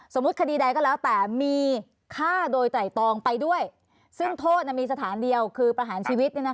สมมุติคดีใดก็แล้วแต่มีฆ่าโดยไต่ตรองไปด้วยซึ่งโทษน่ะมีสถานเดียวคือประหารชีวิตนี่นะคะ